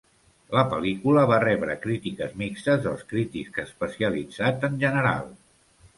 La pel·lícula va rebre crítiques mixtes dels crítics especialitzats en general.